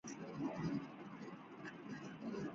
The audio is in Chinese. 增六和弦还有一些有着古怪地名的名字的其他变形。